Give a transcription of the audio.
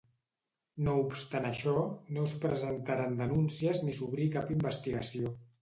No obstant això, no es presentaren denúncies ni s'obrí cap investigació.